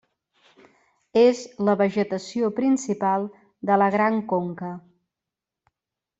És la vegetació principal de la Gran Conca.